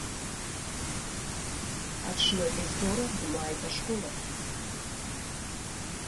Аҽны Ездора дмааит ашкол ахь.